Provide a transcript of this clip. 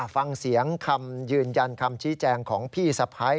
ฟังเสียงคำยืนยันคำชี้แจงของพี่สะพ้าย